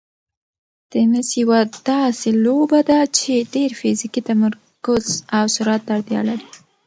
تېنس یوه داسې لوبه ده چې ډېر فزیکي تمرکز او سرعت ته اړتیا لري.